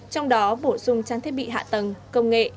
trong đó bổ sung trang thiết bị hạ tầng công nghệ